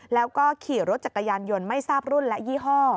แล้วก็ขี่รถจักรยานยนต์ไม่ทราบรุ่นและยี่ห้อ